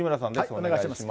お願いします。